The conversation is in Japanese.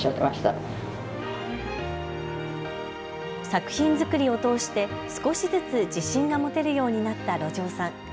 作品作りを通して少しずつ自信が持てるようになった路上さん。